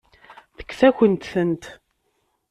Tekkes-akent-tent.